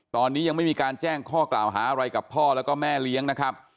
ตอนนี้ยังไม่มีการแจ้งข้อกล่าวหาอะไรกับพ่อแล้วก็แม่เลี้ยงนะครับ